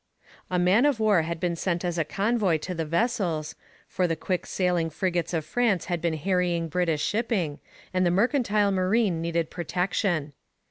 A man of war had been sent as a convoy to the vessels, for the quick sailing frigates of France had been harrying British shipping, and the mercantile marine needed protection.